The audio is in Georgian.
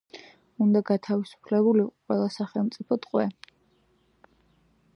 უნდა გათავისუფლებულიყო ყველა სახელმწიფო ტყვე.